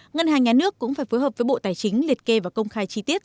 ngân hàng nhà nước cũng phải phối hợp với bộ tài chính liệt kê và công khai chi tiết